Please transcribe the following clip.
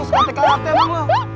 sekatek karakter bang lo